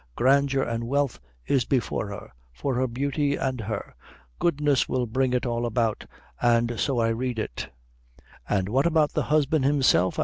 Grandeur an' wealth is before her, for her beauty an' her! goodness will bring it all about, an' so I read it." "An' what about the husband himself?"